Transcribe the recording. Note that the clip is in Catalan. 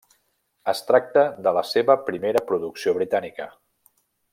Es tracta de la seva primera producció britànica.